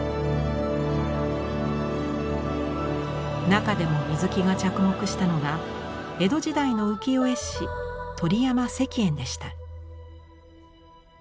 中でも水木が着目したのが江戸時代の浮世絵師鳥山石燕でした。